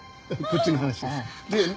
こっちの話です。